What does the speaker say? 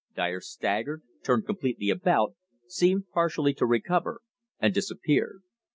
Dyer staggered, turned completely about, seemed partially to recover, and disappeared.